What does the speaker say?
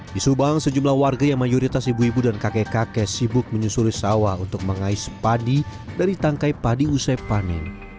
di subang sejumlah warga yang mayoritas ibu ibu dan kakek kakek sibuk menyusuri sawah untuk mengais padi dari tangkai padi usai panen